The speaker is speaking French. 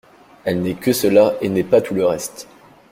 Elle n’est que cela et n’est pas tout le reste.